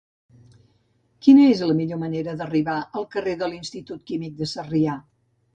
Quina és la millor manera d'arribar al carrer de l'Institut Químic de Sarrià?